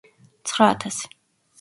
ცხრაათასი